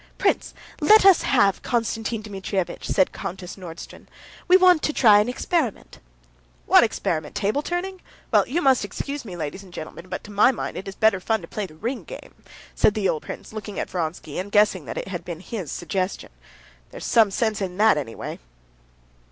"Prince, let us have Konstantin Dmitrievitch," said Countess Nordston; "we want to try an experiment." "What experiment? Table turning? Well, you must excuse me, ladies and gentlemen, but to my mind it is better fun to play the ring game," said the old prince, looking at Vronsky, and guessing that it had been his suggestion. "There's some sense in that, anyway."